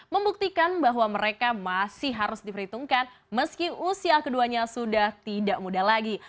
membuktikan bahwa mereka masih harus diperhitungkan meski usia keduanya sudah tidak muda lagi